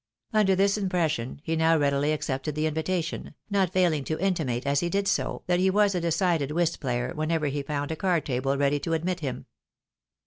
Under this impression, he now readily accepted the invitation, not failing to intimate as he did so, that he was a decided whist player whenever he found a card table ready to admit him.